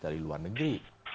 dari luar negeri